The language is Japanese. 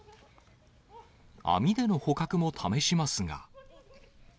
網での捕獲も試しますが。